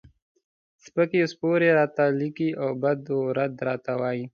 سپکې او سپورې راته لیکي او بد و رد راته وایي.